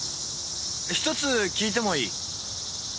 １つ訊いてもいい？